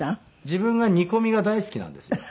自分が煮込みが大好きなんですよ。